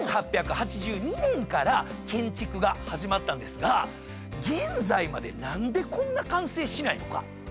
１８８２年から建築が始まったんですが現在まで何でこんな完成しないのか？